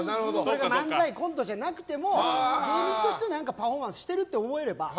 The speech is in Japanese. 漫才、コントじゃなくても芸人としてのパフォーマンスをしていると思えれば。